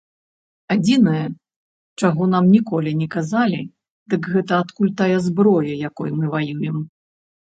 Адзінае, чаго нам ніколі не казалі, дык гэта адкуль тая зброя, якой мы ваюем.